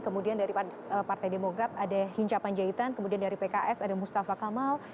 kemudian dari partai demokrat ada hinca panjaitan kemudian dari pks ada mustafa kamal